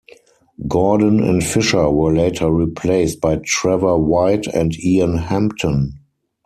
Gordon and Fisher were later replaced by Trevor White and Ian Hampton.